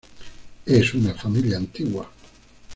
Es una familia antigua.